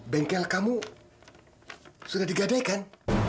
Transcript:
bengkel kamu sudah digadaikan